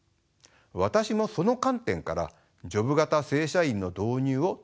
私もその観点からジョブ型正社員の導入を唱えてきました。